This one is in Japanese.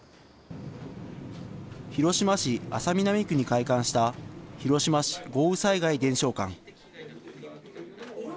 広島市安佐南区に開館した広島市豪雨災害伝承館。